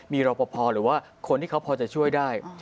มีรอปภหรือว่าคนที่เขาพอจะช่วยได้